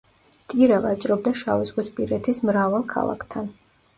ტირა ვაჭრობდა შავიზღვისპირეთის მრავალ ქალაქთან.